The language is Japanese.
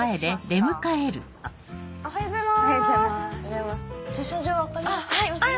おはようございます。